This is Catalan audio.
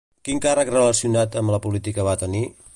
Quin càrrec relacionat amb la política va tenir?